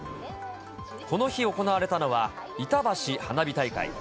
この日、行われたのは、いたばし花火大会。